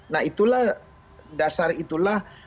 nah itulah dasar itulah